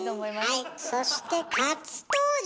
はいそして初登場！